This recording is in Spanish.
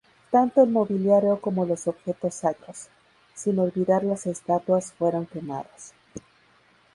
Tanto el mobiliario como los objetos sacros, sin olvidar las estatuas fueron quemados.